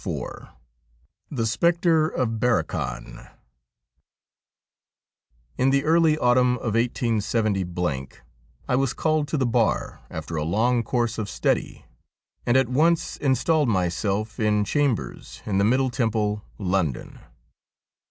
39 IV THE SPECTRE OF BARROCHAN In the early autumn of 187 I was called to the Bar, after a long course of study, and at once installed myself in chambers in the Middle Temple, London.